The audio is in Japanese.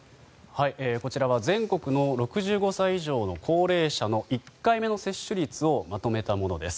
こちらは全国の６５歳以上の高齢者の１回目の接種率をまとめたものです。